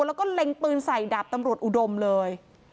แล้วก็เล็งปืนใส่ดาบตำรวจอุดมเลย